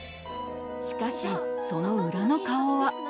しかしその裏の顔は。